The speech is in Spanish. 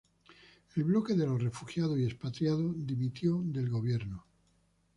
El Bloque de los Refugiados y Expatriados dimitió del gobierno.